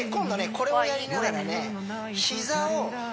これをやりながらね